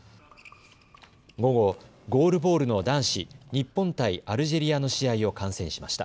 午後、ゴールボールの男子日本対アルジェリアの試合を観戦しました。